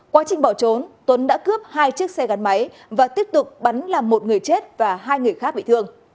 quá trình bỏ trốn tuấn đã cướp hai chiếc xe gắn máy và tiếp tục bắn làm một người chết và hai người khác bị thương